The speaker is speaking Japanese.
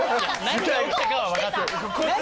何が起きたかは分かって！